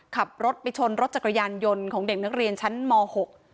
ขับรถไปชนรถจักรยานยนต์ของเด็กนักเรียนชั้นมหก